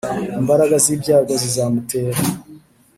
Imbaraga z ibyago zizamutera